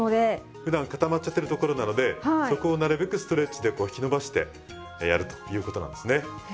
ふだんかたまっちゃってるところなのでそこをなるべくストレッチでこう引き伸ばしてやるということなんですね。へ。